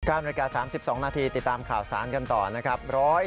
นาฬิกา๓๒นาทีติดตามข่าวสารกันต่อนะครับ